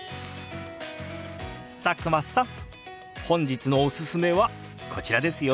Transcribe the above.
佐久間さん本日のおすすめはこちらですよ。